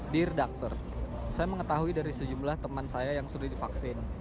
dear doctor saya mengetahui dari sejumlah teman saya yang sudah divaksin